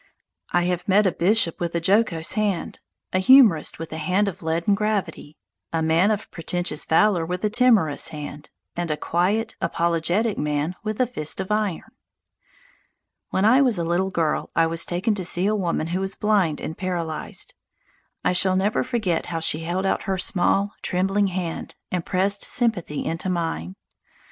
I have met a bishop with a jocose hand, a humourist with a hand of leaden gravity, a man of pretentious valour with a timorous hand, and a quiet, apologetic man with a fist of iron. When I was a little girl I was taken to see[A] a woman who was blind and paralysed. I shall never forget how she held out her small, trembling hand and pressed sympathy into mine.